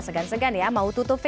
selesai dari wsp